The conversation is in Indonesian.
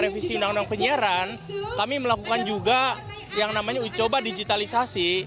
revisi undang undang penyiaran kami melakukan juga yang namanya uji coba digitalisasi